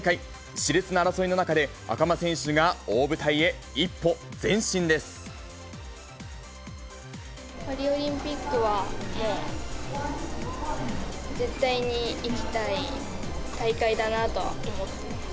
しれつな争いの中で、パリオリンピックはもう、絶対に行きたい大会だなとは思っています。